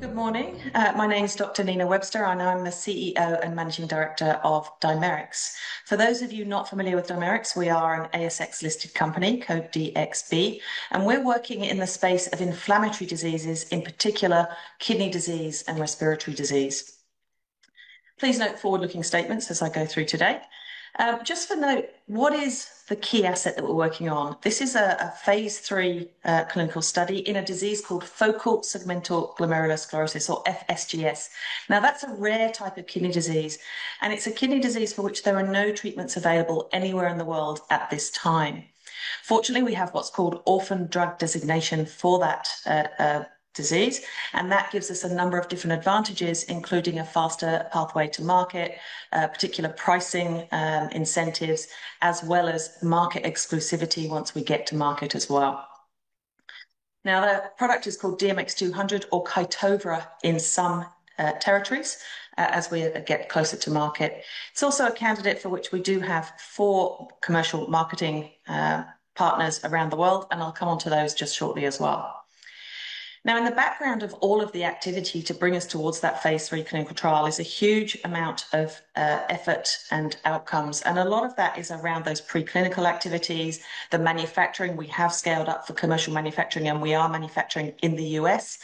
Good morning. My name is Dr. Nina Webster. I'm the CEO and Managing Director of Dimerix. For those of you not familiar with Dimerix, we are an ASX-listed company, code DXB, and we're working in the space of inflammatory diseases, in particular kidney disease and respiratory disease. Please note forward-looking statements as I go through today. Just for note, what is the key asset that we're working on? This is a phase three clinical study in a disease called Focal Segmental Glomerulosclerosis, or FSGS. That's a rare type of kidney disease, and it's a kidney disease for which there are no treatments available anywhere in the world at this time. Fortunately, we have what's called orphan drug designation for that disease, and that gives us a number of different advantages, including a faster pathway to market, particular pricing incentives, as well as market exclusivity once we get to market as well. The product is called DMX-200, or QYTOVRA in some territories, as we get closer to market. It's also a candidate for which we do have four commercial marketing partners around the world, and I'll come on to those just shortly as well. In the background of all of the activity to bring us towards that phase three clinical trial is a huge amount of effort and outcomes, and a lot of that is around those preclinical activities, the manufacturing we have scaled up for commercial manufacturing, and we are manufacturing in the U.S.,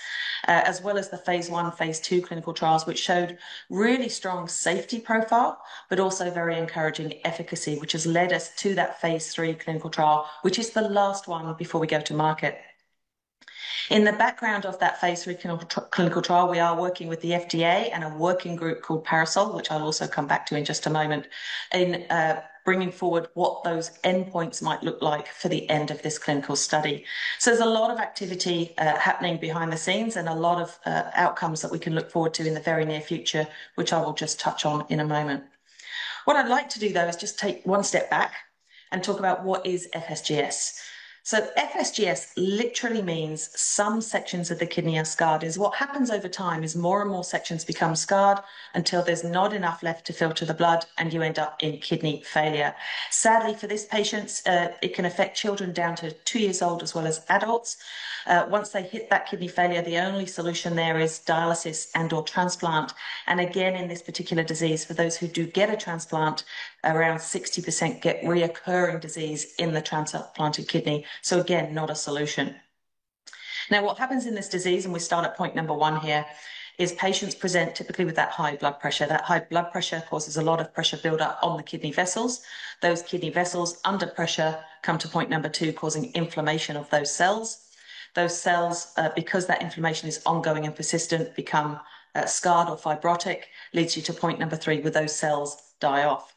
as well as the phase one, phase two clinical trials, which showed really strong safety profile, but also very encouraging efficacy, which has led us to that phase three clinical trial, which is the last one before we go to market. In the background of that phase three clinical trial, we are working with the FDA and a working group called Parasol, which I'll also come back to in just a moment, in bringing forward what those endpoints might look like for the end of this clinical study. There's a lot of activity happening behind the scenes and a lot of outcomes that we can look forward to in the very near future, which I will just touch on in a moment. What I'd like to do, though, is just take one step back and talk about what is FSGS. FSGS literally means some sections of the kidney are scarred. What happens over time is more and more sections become scarred until there's not enough left to filter the blood, and you end up in kidney failure. Sadly, for these patients, it can affect children down to two years old, as well as adults. Once they hit that kidney failure, the only solution there is dialysis and/or transplant. In this particular disease, for those who do get a transplant, around 60% get reoccurring disease in the transplanted kidney. Not a solution. What happens in this disease, and we start at point number one here, is patients present typically with that high blood pressure. That high blood pressure causes a lot of pressure buildup on the kidney vessels. Those kidney vessels under pressure come to point number two, causing inflammation of those cells. Those cells, because that inflammation is ongoing and persistent, become scarred or fibrotic, which leads you to point number three, where those cells die off.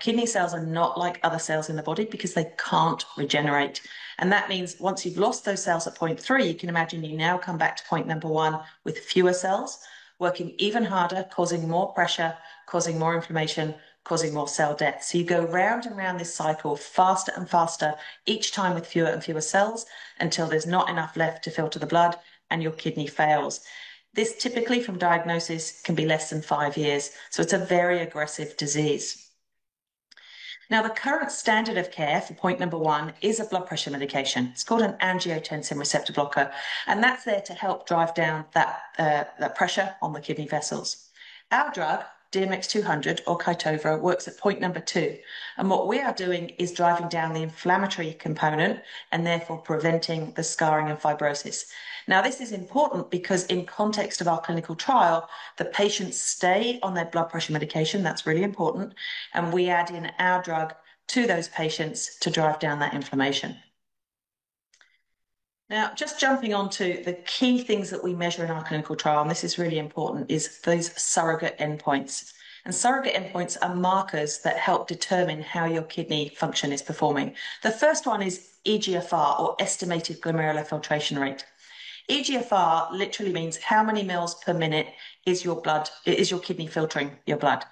Kidney cells are not like other cells in the body because they can't regenerate. That means once you've lost those cells at point three, you can imagine you now come back to point number one with fewer cells, working even harder, causing more pressure, causing more inflammation, causing more cell death. You go round and round this cycle faster and faster, each time with fewer and fewer cells until there's not enough left to filter the blood and your kidney fails. This typically, from diagnosis, can be less than five years. It's a very aggressive disease. The current standard of care for point number one is a blood pressure medication. It's called an angiotensin receptor blocker, and that's there to help drive down that pressure on the kidney vessels. Our drug, DMX-200, or QYTOVRA, works at point number two, and what we are doing is driving down the inflammatory component and therefore preventing the scarring and fibrosis. This is important because in context of our clinical trial, the patients stay on their blood pressure medication. That's really important. We add in our drug to those patients to drive down that inflammation. Jumping on to the key things that we measure in our clinical trial, and this is really important, is those surrogate endpoints. Surrogate endpoints are markers that help determine how your kidney function is performing. The first one is eGFR, or Estimated Glomerular Filtration Rate. eGFR literally means how many milliliters per minute is your kidney filtering your blood.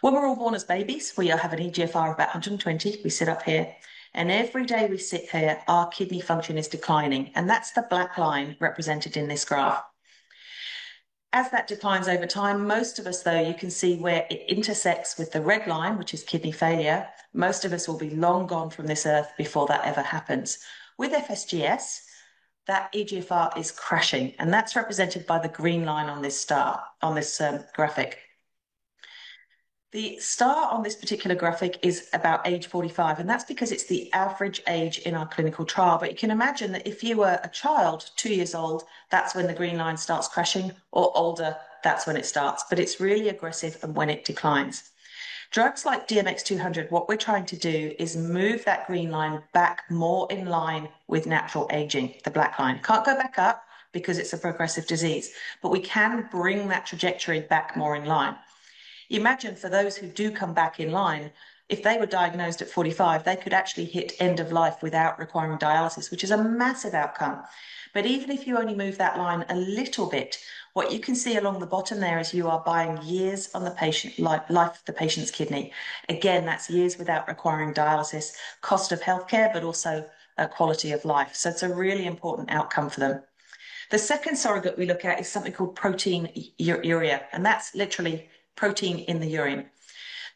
When we're all born as babies, we all have an eGFR of about 120. We sit up here, and every day we sit here, our kidney function is declining, and that's the black line represented in this graph. As that declines over time, most of us, though, you can see where it intersects with the red line, which is kidney failure. Most of us will be long gone from this earth before that ever happens. With FSGS, that eGFR is crashing, and that's represented by the green line on this star on this graphic. The star on this particular graphic is about age 45, and that's because it's the average age in our clinical trial. You can imagine that if you were a child, two years old, that's when the green line starts crashing, or older, that's when it starts. It's really aggressive and when it declines. Drugs like DMX-200, what we're trying to do is move that green line back more in line with natural aging. The black line can't go back up because it's a progressive disease, but we can bring that trajectory back more in line. Imagine for those who do come back in line, if they were diagnosed at 45, they could actually hit end of life without requiring dialysis, which is a massive outcome. Even if you only move that line a little bit, what you can see along the bottom there is you are buying years on the patient's life, the patient's kidney. That's years without requiring dialysis, cost of healthcare, but also quality of life. It's a really important outcome for them. The second surrogate we look at is something called proteinuria, and that's literally protein in the urine.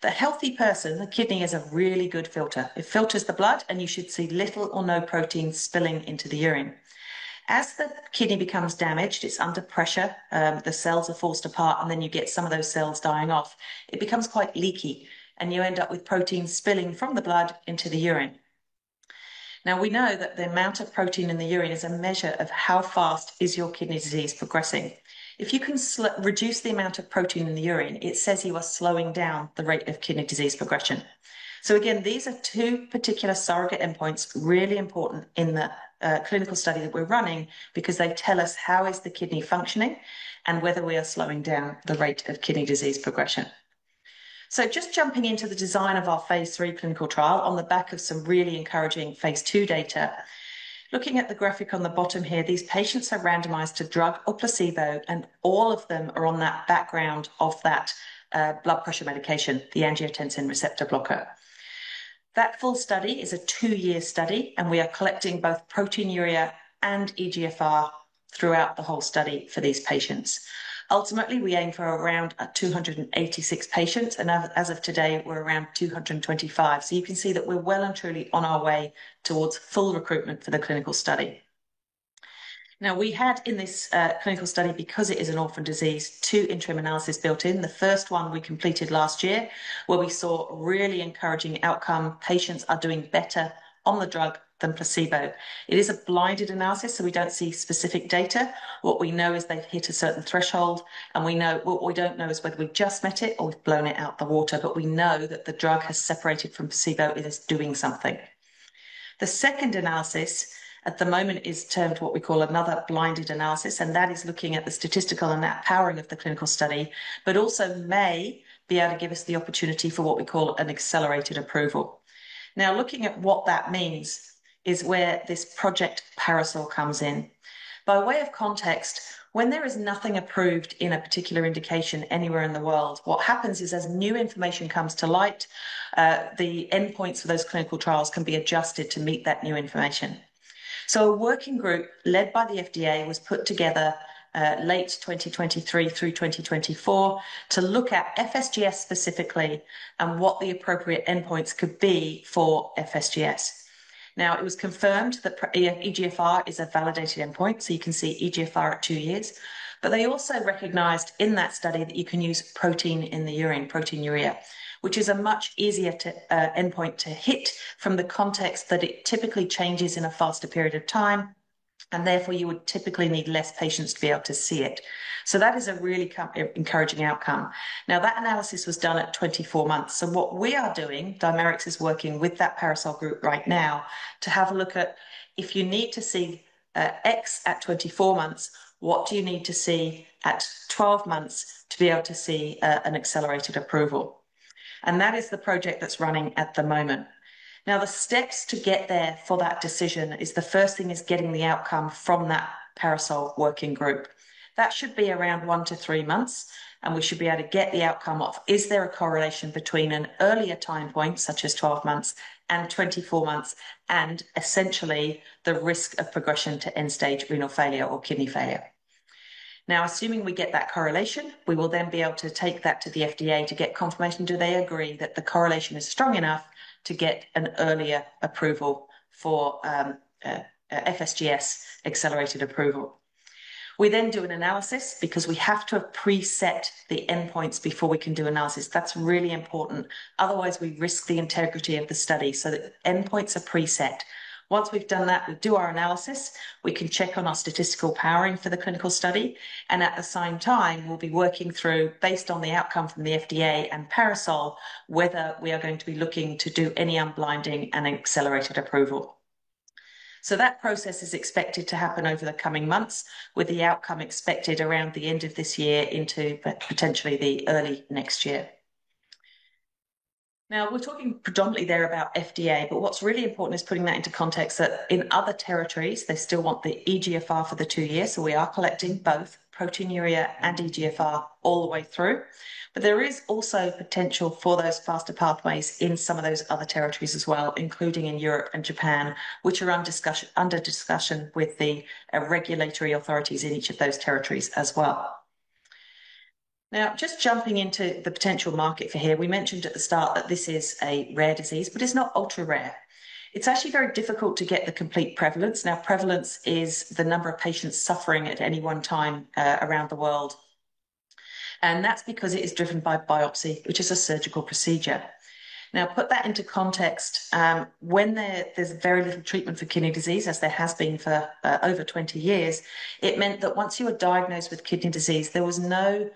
The healthy person, the kidney is a really good filter. It filters the blood, and you should see little or no protein spilling into the urine. As the kidney becomes damaged, it's under pressure, the cells are forced apart, and then you get some of those cells dying off. It becomes quite leaky, and you end up with protein spilling from the blood into the urine. We know that the amount of protein in the urine is a measure of how fast is your kidney disease progressing. If you can reduce the amount of protein in the urine, it says you are slowing down the rate of kidney disease progression. These are two particular surrogate endpoints, really important in the clinical study that we're running because they tell us how is the kidney functioning and whether we are slowing down the rate of kidney disease progression. Just jumping into the design of our phase three clinical trial on the back of some really encouraging phase two data. Looking at the graphic on the bottom here, these patients are randomized to drug or placebo, and all of them are on that background of that blood pressure medication, the angiotensin receptor blocker. That full study is a two-year study, and we are collecting both proteinuria and eGFR throughout the whole study for these patients. Ultimately, we aim for around 286 patients, and as of today, we're around 225. You can see that we're well and truly on our way towards full recruitment for the clinical study. In this clinical study, because it is an orphan disease, two interim analyses are built in. The first one we completed last year, where we saw a really encouraging outcome, patients are doing better on the drug than placebo. It is a blinded analysis, so we don't see specific data. What we know is they've hit a certain threshold, and what we don't know is whether we just met it or we've blown it out the water. We know that the drug has separated from placebo and is doing something. The second analysis at the moment is termed what we call another blinded analysis, and that is looking at the statistical and that powering of the clinical study, but also may be able to give us the opportunity for what we call an accelerated approval. Looking at what that means is where this project Parasol comes in. By way of context, when there is nothing approved in a particular indication anywhere in the world, what happens is as new information comes to light, the endpoints for those clinical trials can be adjusted to meet that new information. A working group led by the FDA was put together late 2023 through 2024 to look at FSGS specifically and what the appropriate endpoints could be for FSGS. It was confirmed that eGFR is a validated endpoint, so you can see eGFR at two years. They also recognized in that study that you can use protein in the urine, proteinuria, which is a much easier endpoint to hit from the context that it typically changes in a faster period of time, and therefore you would typically need less patients to be able to see it. That is a really encouraging outcome. That analysis was done at 24 months. What we are doing, Dimerix is working with that Parasol group right now to have a look at if you need to see X at 24 months, what do you need to see at 12 months to be able to see an accelerated approval? That is the project that's running at the moment. Now, the steps to get there for that decision is the first thing is getting the outcome from that Parasol working group. That should be around one to three months, and we should be able to get the outcome of is there a correlation between an earlier time point, such as 12 months and 24 months, and essentially the risk of progression to end-stage renal failure or kidney failure. Assuming we get that correlation, we will then be able to take that to the FDA to get confirmation. Do they agree that the correlation is strong enough to get an earlier approval for FSGS accelerated approval? We then do an analysis because we have to preset the endpoints before we can do analysis. That's really important. Otherwise, we risk the integrity of the study. The endpoints are preset. Once we've done that, we do our analysis. We can check on our statistical powering for the clinical study, and at the same time, we'll be working through, based on the outcome from the FDA and Parasol, whether we are going to be looking to do any unblinding and accelerated approval. That process is expected to happen over the coming months, with the outcome expected around the end of this year into potentially the early next year. We're talking predominantly there about the FDA, but what's really important is putting that into context that in other territories, they still want the eGFR for the two years. We are collecting both proteinuria and eGFR all the way through. There is also potential for those faster pathways in some of those other territories as well, including in Europe and Japan, which are under discussion with the regulatory authorities in each of those territories as well. Now, just jumping into the potential market for here, we mentioned at the start that this is a rare disease, but it's not ultra rare. It's actually very difficult to get the complete prevalence. Prevalence is the number of patients suffering at any one time around the world, and that's because it is driven by biopsy, which is a surgical procedure. Put that into context. When there's very little treatment for kidney disease, as there has been for over 20 years, it meant that once you were diagnosed with kidney disease, there was no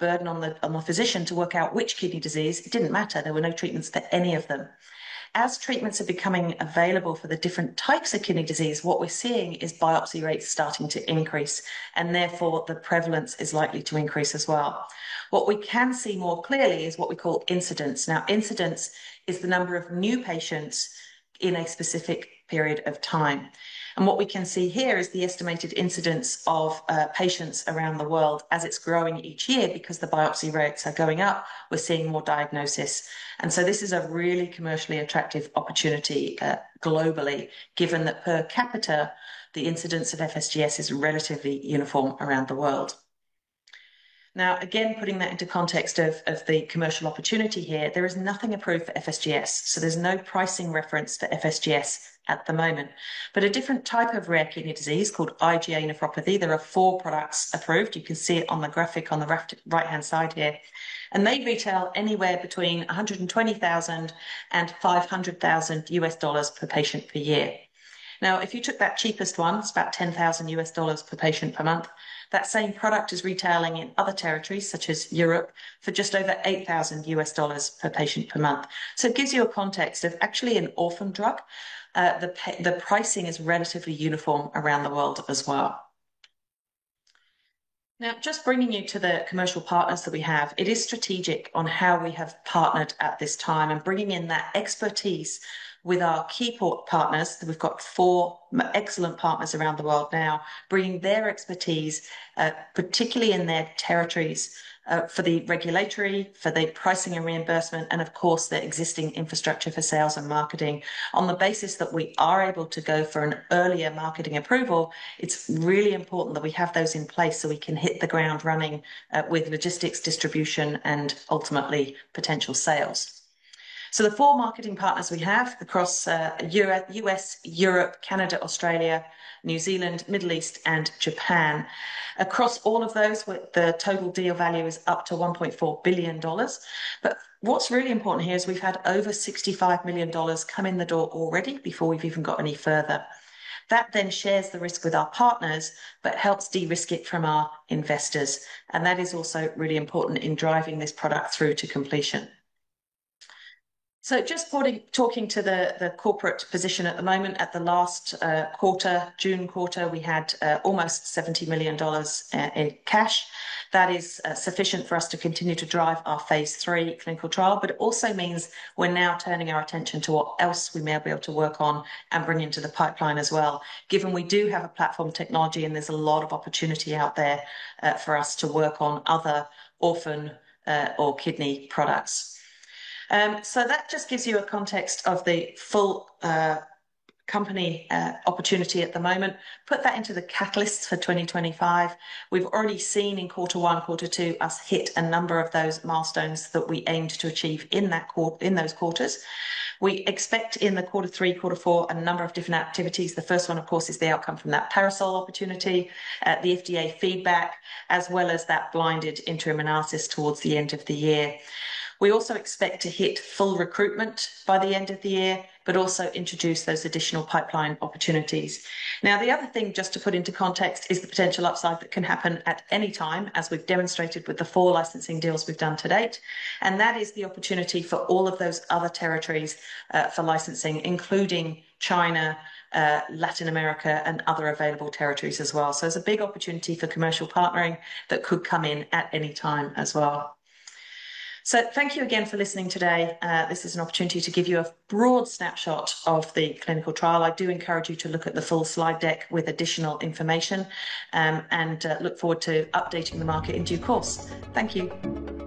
burden on the physician to work out which kidney disease. It didn't matter. There were no treatments for any of them. As treatments are becoming available for the different types of kidney disease, what we're seeing is biopsy rates starting to increase, and therefore the prevalence is likely to increase as well. What we can see more clearly is what we call incidence. Now, incidence is the number of new patients in a specific period of time. What we can see here is the estimated incidence of patients around the world. As it's growing each year because the biopsy rates are going up, we're seeing more diagnosis. This is a really commercially attractive opportunity globally, given that per capita the incidence of FSGS is relatively uniform around the world. Now, again, putting that into context of the commercial opportunity here, there is nothing approved for FSGS. There's no pricing reference for FSGS at the moment. A different type of rare kidney disease called IgA nephropathy, there are four products approved. You can see it on the graphic on the right-hand side here. They retail anywhere between $120,000 and $500,000 per patient per year. If you took that cheapest one, it's about $10,000 per patient per month. That same product is retailing in other territories, such as Europe, for just over $8,000 per patient per month. It gives you a context of actually an orphan drug. The pricing is relatively uniform around the world as well. Now, just bringing you to the commercial partners that we have, it is strategic on how we have partnered at this time and bringing in that expertise with our key partners. We've got four excellent partners around the world now, bringing their expertise, particularly in their territories, for the regulatory, for the pricing and reimbursement, and of course their existing infrastructure for sales and marketing. On the basis that we are able to go for an earlier marketing approval, it's really important that we have those in place so we can hit the ground running with logistics, distribution, and ultimately potential sales. The four marketing partners we have across the U.S, Europe, Canada, Australia, New Zealand, Middle East, and Japan. Across all of those, the total deal value is up to $1.4 billion. What's really important here is we've had over $65 million come in the door already before we've even got any further. That then shares the risk with our partners, but helps de-risk it from our investors. That is also really important in driving this product through to completion. Just talking to the corporate position at the moment, at the last quarter, June quarter, we had almost $70 million in cash. That is sufficient for us to continue to drive our phase three clinical trial, but it also means we're now turning our attention to what else we may be able to work on and bring into the pipeline as well, given we do have a platform technology and there's a lot of opportunity out there for us to work on other orphan or kidney products. That just gives you a context of the full company opportunity at the moment. Put that into the catalysts for 2025. We've already seen in quarter one, quarter two, us hit a number of those milestones that we aimed to achieve in those quarters. We expect in quarter three, quarter four, a number of different activities. The first one, of course, is the outcome from that Parasol opportunity, the FDA feedback, as well as that blinded interim analysis towards the end of the year. We also expect to hit full recruitment by the end of the year, but also introduce those additional pipeline opportunities. The other thing just to put into context is the potential upside that can happen at any time, as we've demonstrated with the four licensing deals we've done to date. That is the opportunity for all of those other territories for licensing, including China, Latin America, and other available territories as well. There's a big opportunity for commercial partnering that could come in at any time as well. Thank you again for listening today. This is an opportunity to give you a broad snapshot of the clinical trial. I do encourage you to look at the full slide deck with additional information and look forward to updating the market in due course. Thank you.